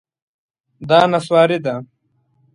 دا نسواري ده